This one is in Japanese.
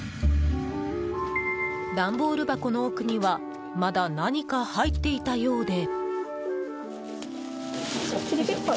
ダンボール箱の奥にはまだ何か入っていたようで。